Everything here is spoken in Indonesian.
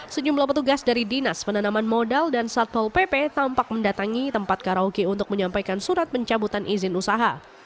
sejumlah petugas dari dinas penanaman modal dan satpol pp tampak mendatangi tempat karaoke untuk menyampaikan surat pencabutan izin usaha